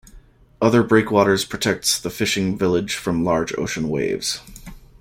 Other breakwaters protects the fishing village from large ocean waves.